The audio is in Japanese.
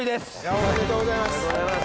おめでとうございます。